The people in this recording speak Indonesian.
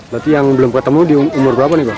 berarti yang belum ketemu di umur berapa nih pak